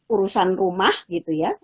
urusan rumah gitu ya